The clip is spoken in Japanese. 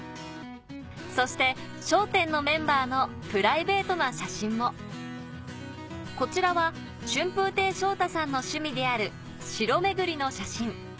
そして『笑点』のメンバーのプライベートな写真もこちらは春風亭昇太さんの趣味である城巡りの写真